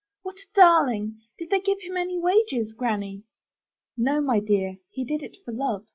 "What a darling. Did they give him any wages. Granny?" "No, my dear. He did it for love.